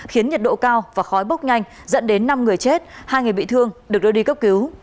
khiến nhiệt độ cao và khói bốc nhanh dẫn đến năm người chết hai người bị thương được đưa đi cấp cứu